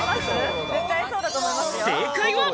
正解は？